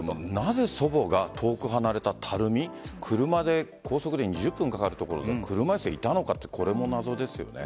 なぜ祖母が遠く離れた垂水車で高速で２０分かかる所車いすでいたのかも謎ですよね。